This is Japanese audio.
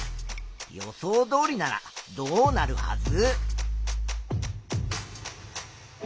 予想どおりならどうなるはず？